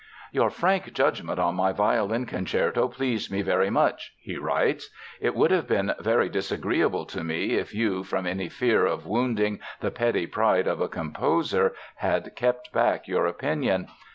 "Your frank judgment on my violin concerto pleased me very much," he writes. "It would have been very disagreeable to me if you, from any fear of wounding the petty pride of a composer, had kept back your opinion.